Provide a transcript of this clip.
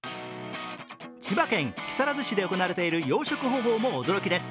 千葉県木更津市で行われている養殖方法も驚きです。